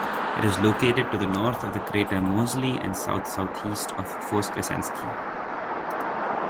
It is located to the north of the crater Moseley and south-southeast of Voskresenskiy.